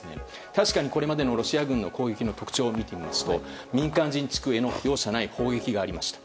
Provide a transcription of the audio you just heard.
確かにこれまでのロシア軍の攻撃の特徴を見てみますと民間人地区への容赦ない砲撃がありました。